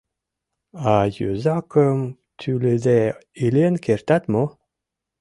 А йозакым тӱлыде илен кертат мо?